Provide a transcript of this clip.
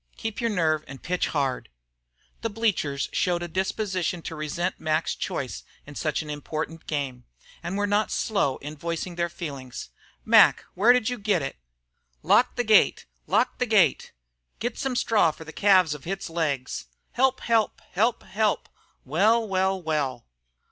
Keep your nerve and pitch hard." The bleachers showed a disposition to resent Mac's choice in such an important game, and were not slow in voicing their feelings. "Mac, where did you get it?" "Lock the gate! Lock the gate!" "Get some straw for the calves of its legs!" "Help! Help! Help! Help!" "Well! Well!